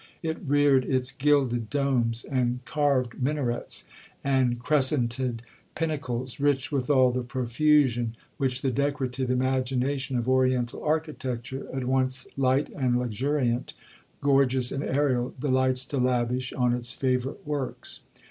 It reared its gilded domes, and carved minarets, and crescented pinnacles, rich with all the profusion which the decorative imagination of Oriental architecture, at once light and luxuriant, gorgeous and aerial, delights to lavish on its favourite works.